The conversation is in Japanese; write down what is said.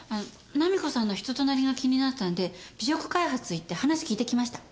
菜実子さんの人となりが気になったんで美食開発へ行って話聞いてきました。